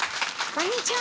こんにちは。